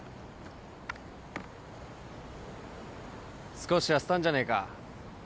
少し痩せたんじゃねえか？